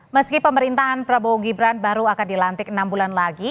meski pemerintahan prabowo gibran baru akan dilantik enam bulan lagi